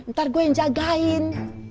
ntar gue yang jagain